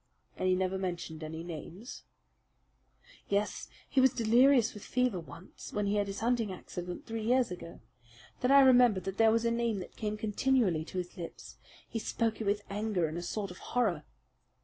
"And he never mentioned any names?" "Yes, he was delirious with fever once when he had his hunting accident three years ago. Then I remember that there was a name that came continually to his lips. He spoke it with anger and a sort of horror.